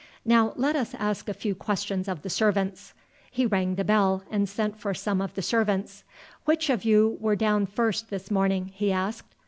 "Now let us ask a few questions of the servants." He rang the bell, and sent for some of the servants. "Which of you were down first this morning?" he asked.